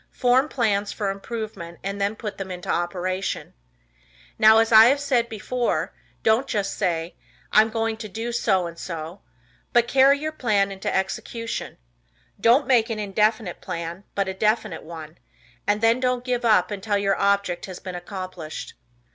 Form plans for improvement and then put them into operation. Now, as I said before, don't just say, "I am going to do so and so," but carry your plan into execution. Don't make an indefinite plan, but a definite one, and then don't give up until your object has been accomplished.